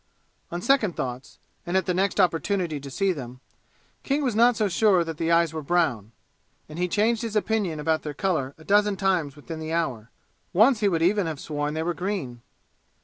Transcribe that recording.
On second thoughts, and at the next opportunity to see them, King was not so sure that the eyes were brown, and he changed his opinion about their color a dozen times within the hour. Once he would even have sworn they were green.